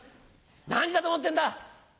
何時だと思ってんだ！